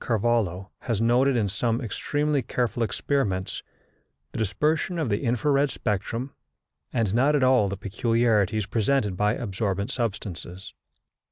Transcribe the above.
Carvallo has noted in some extremely careful experiments, the dispersion of the infra red spectrum, and not at all the peculiarities presented by absorbent substances.